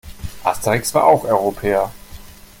Asterix war auch Europäer.